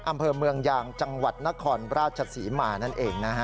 อำเภอเมืองยางจังหวัดนครราชศรีมานั่นเองนะฮะ